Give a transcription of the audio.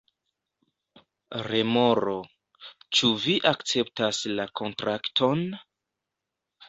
Remoro: "Ĉu vi akceptas la kontrakton?"